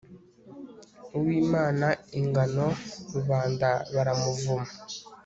uwimana ingano, rubanda baramuvuma